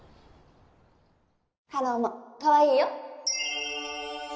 たろーもかわいいよ。